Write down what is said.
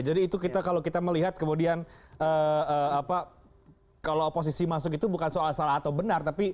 jadi itu kalau kita melihat kemudian kalau posisi masuk itu bukan soal salah atau benar